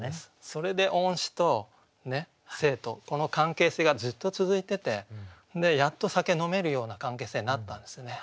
それで恩師と生徒この関係性がずっと続いててやっと酒飲めるような関係性になったんですよね。